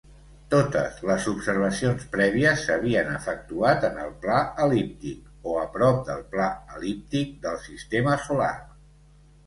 Totes les observacions prèvies s'havien efectuat en el pla el·líptic, o a prop del pla el·líptic, del sistema solar.